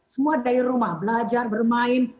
semua dari rumah belajar bermain